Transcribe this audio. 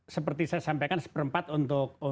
seperti saya sampaikan seperempat untuk